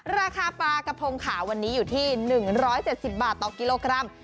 ราคาปลากระพงขาววันนี้อยู่ที่๑๗๐บาทต่อกิโลกรัม